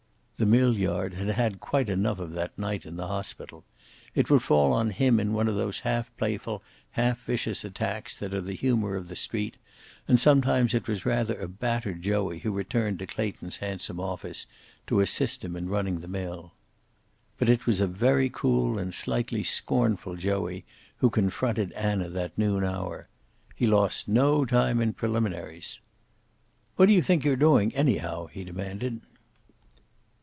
The mill yard had had quite enough of that night in the hospital. It would fall on him in one of those half playful, half vicious attacks that are the humor of the street, and sometimes it was rather a battered Joey who returned to Clayton's handsome office, to assist him in running the mill. But it was a very cool and slightly scornful Joey who confronted Anna that noon hour. He lost no time in preliminaries. "What do you think you're doing, anyhow?" he demanded.